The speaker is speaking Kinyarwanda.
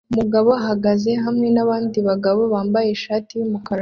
Umugabo uhagaze hamwe nabandi bagabo bambaye ishati yumukara